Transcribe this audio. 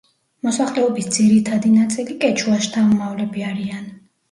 მოსახლეობის ძირითადი ნაწილი კეჩუას შთამომავლები არიან.